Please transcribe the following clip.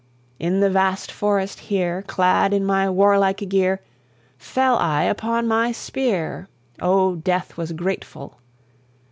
In the vast forest here, Clad in my warlike gear, Fell I upon my spear, Oh, death was grateful!